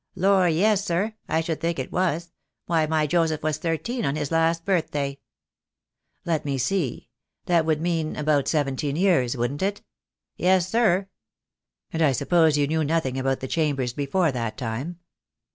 "Lor', yes, sir. I should think it was. Why my Joseph was thirteen on his last birthday." "Let me see; that would mean about seventeen years, wouldn't it?" "Yes, sir." "And I suppose you knew nothing about the chambers before that time."